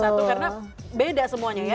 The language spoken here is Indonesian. karena beda semuanya ya